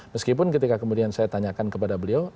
meskipun ketika kemudian saya tanyakan kepada beliau